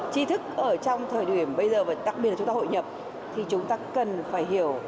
chi thức ở trong thời điểm bây giờ và đặc biệt là chúng ta hội nhập thì chúng ta cần phải hiểu